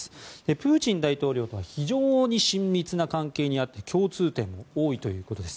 プーチン大統領と非常に親密な関係があって共通点も多いということです。